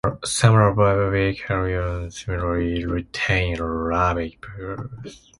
Some Arabic loans similarly retain Arabic plurals.